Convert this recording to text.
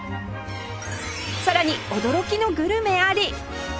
さらに驚きのグルメあり